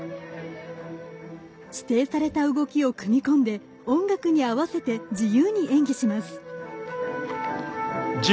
指定された動きを組み込んで音楽に合わせて自由に演技します。